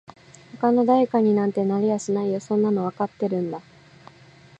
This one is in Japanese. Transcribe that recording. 他の誰かになんてなれやしないよそんなのわかってるんだ